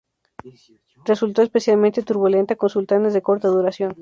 Resultó especialmente turbulenta, con sultanes de corta duración.